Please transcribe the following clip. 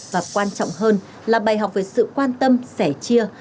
và quan trọng hơn là bài học về sự quan tâm sẻ chia